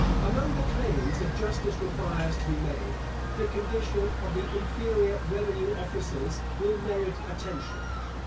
Among the claims that justice requires to be made, the condition of the inferior revenue officers will merit attention.